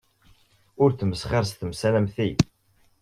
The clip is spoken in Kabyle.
Ur smesxir s temsal am ti.